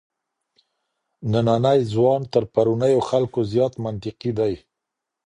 نننی ځوان تر پرونيو خلګو زيات منطقي دی.